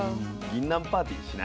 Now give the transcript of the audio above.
ぎんなんパーティーしない？